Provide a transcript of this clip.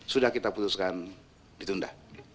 sudah kita putuskan ditunda